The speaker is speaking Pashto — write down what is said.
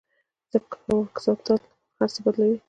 ځکه واک ساتل هر څه بدلوي.